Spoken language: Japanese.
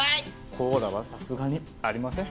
コーラはさすがにありません。